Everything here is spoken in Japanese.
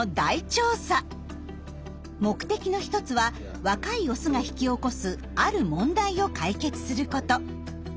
目的の１つは若いオスが引き起こすある問題を解決すること。